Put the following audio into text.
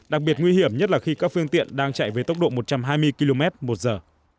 đặc biệt nguy hiểm nhất là khi các phương tiện đang chạy với tốc độ một trăm hai mươi km một giờ